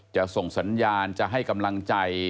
จะส่งสัญญาณจะให้กำลังใจ